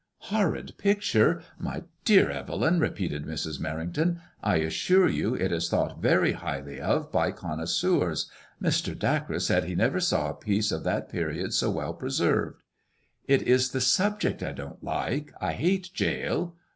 "Horrid picture 1 My dear Evelyn," repeated Mrs. Merring ton, " I assure you it is thought very highly of by connoisseurs. ICADEMOISKLLS IXK. IS7 Mr. Dacres said he never saw a piece of that period so well preserved." It is the subject I don't like. I hate Jael."